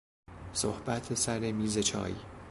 صحبت سر میزچای